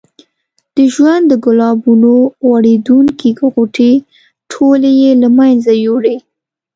د ژوند د ګلابونو غوړېدونکې غوټۍ ټولې یې له منځه یوړې.